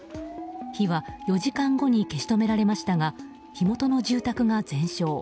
火は４時間後に消し止められましたが火元の住宅が全焼。